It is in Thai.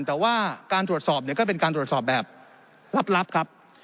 แต่ว่าการตรวจสอบเนี่ยก็เป็นการตรวจสอบแบบลับครับ